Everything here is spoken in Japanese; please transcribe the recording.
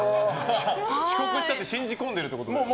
遅刻したって信じ込んでるってことですね。